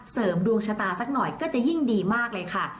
เสริมดวงชะตาสักหน่อยก็จะยิ่งดีมากเลยค่ะ